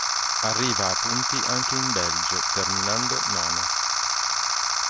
Arriva a punti anche in Belgio terminando nono.